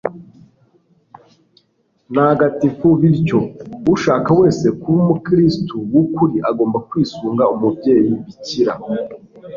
ntagatifu. bityo, ushaka wese kuba umukristu w'ukuri agomba kwisunga umubyeyi bikira